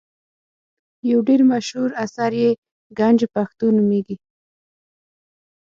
یو ډېر مشهور اثر یې ګنج پښتو نومیږي.